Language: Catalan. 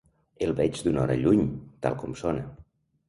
El veig d'una hora lluny, tal com sona.